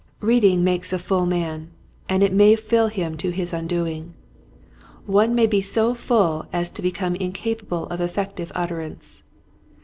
Reading makes a full man and it may fill him to his undoing. One may be so full as to become incapable of effective utterance.